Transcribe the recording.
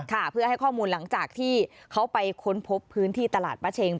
เพื่อให้ข้อมูลหลังจากที่เขาไปค้นพบพื้นที่ตลาดป้าเชง